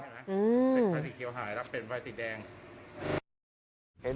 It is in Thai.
ภารกิจเขียวหายแล้วเป็นภารกิจแดง